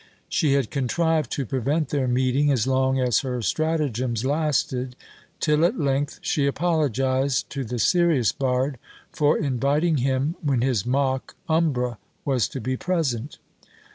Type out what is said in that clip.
She had contrived to prevent their meeting as long as her stratagems lasted, till at length she apologised to the serious bard for inviting him when his mock umbra was to be present.